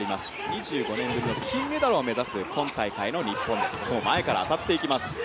２５年ぶりの金メダルを目指す今大会の日本です。